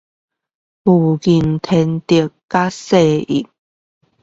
物競天擇與適應